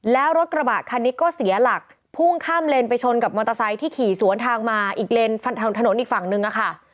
แล้วรถกระบะคันนี้ก็เสียหลักพุ่งข้ามเลนไปชนกับมอเตอร์ไซค์ที่ขี่สวนทางมาอีกเลนทางถนนอีกฝั่งนึงอะค่ะ